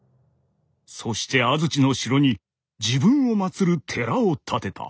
そして安土の城に自分をまつる寺を建てた」。